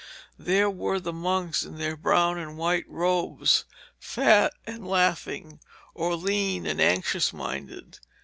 There were the monks in their brown and white robes, fat and laughing, or lean and anxious minded.